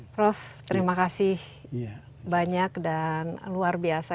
prof terima kasih banyak dan luar biasa